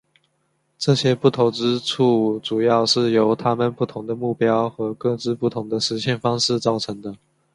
这些不同之处主要是由他们不同的目标和各自不同的实现方式造成的。